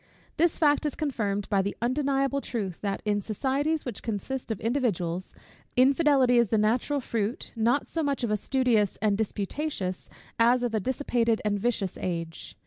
This fact is confirmed by the undeniable truth, that in societies, which consist of individuals, infidelity is the natural fruit, not so much of a studious and disputatious, as of a dissipated and vicious age.